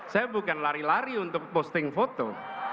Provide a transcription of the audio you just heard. saya bukan lari lari untuk posting foto